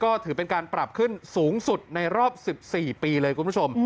ก็ถือเป็นการปรับขึ้นสูงสุดในรอบ๑๔ปีเลยคุณผู้ชม